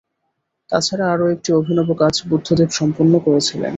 তাছাড়া আরও একটি অভিনব কাজ বুদ্ধদেব সম্পন্ন করেছিলেন।